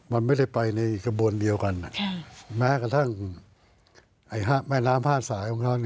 มันไม่ได้ไปในกระบวนเดียวกันแม้กระทั่งแม่น้ำ๕สายของเขา